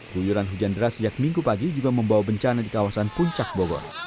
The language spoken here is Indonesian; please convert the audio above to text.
guyuran hujan deras sejak minggu pagi juga membawa bencana di kawasan puncak bogor